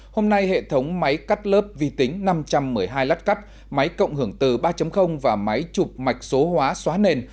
hôm nay hệ thống máy cắt lớp vi tính năm trăm một mươi hai lát cắt máy cộng hưởng từ ba và máy chụp mạch số hóa xóa nền